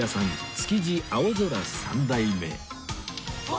築地青空三代目